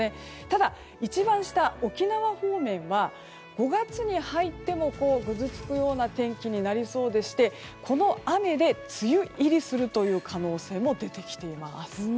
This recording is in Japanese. ただ、一番下沖縄方面は５月に入ってもぐずつくような天気になりそうでこの雨で梅雨入りする可能性も出てきています。